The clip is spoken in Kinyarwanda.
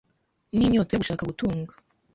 n’inyota yo gushaka gutunga.